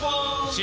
新！